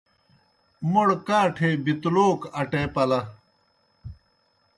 موْڑ کاٹھے بِتلوک اٹے پلہ۔